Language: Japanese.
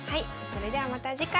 それではまた次回。